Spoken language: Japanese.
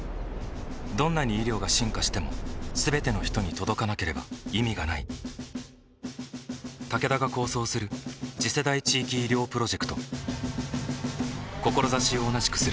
どんなに医療が進化しても全ての人に届かなければ意味がないタケダが構想する次世代地域医療プロジェクト志を同じくするあらゆるパートナーと手を組んで実用化に挑む